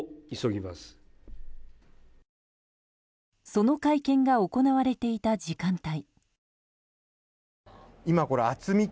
その会見が行われていた時間帯。